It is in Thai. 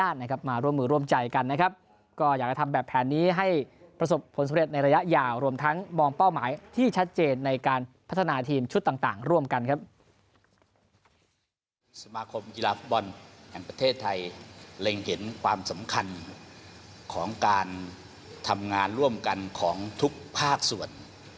สมาคมกีฬาฟุตบอลแห่งประเทศไทยเล็งเห็นความสำคัญของการทำงานร่วมกันของทุกภาคส่วน